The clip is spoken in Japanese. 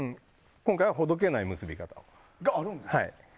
今回は、ほどけない結び方です。